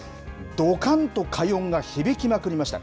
どかんと快音が響きまくりました。